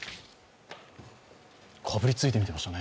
かぶりついて見てましたね。